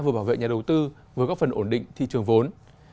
vừa bảo vệ nhà đầu tư vừa góp phần ổn định thị trường vốn